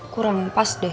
kurang pas deh